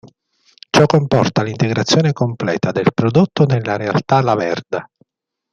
Ciò comporta l'integrazione completa del prodotto nella realtà Laverda.